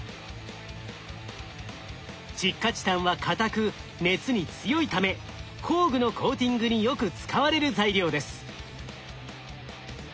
窒化チタンは硬く熱に強いため工具のコーティングによく使われる材料です。